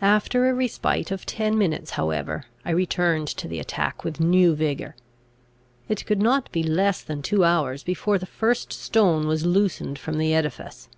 After a respite of ten minutes however, I returned to the attack with new vigour. It could not be less than two hours before the first stone was loosened from the edifice.